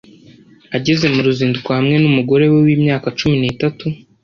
Ageze mu ruzinduko hamwe n’umugore we wimyaka cumi n’itatu